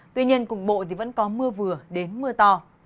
tuy nhiên cùng bộ vẫn có mưa vừa đến mưa to